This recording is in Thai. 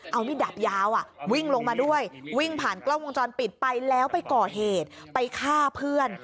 เอามิดดาบยาววิ่งลงมาด้วยวิ่งผ่านกล้องวงจรปิดไปแล้วไปก่อเหตุไปฆ่าเพื่อน